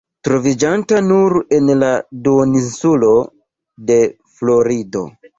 Troviĝanta nur en la duoninsulo de Florido.